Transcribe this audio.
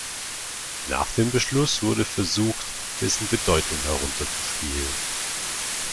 Nach dem Beschluss wurde versucht, dessen Bedeutung herunterzuspielen.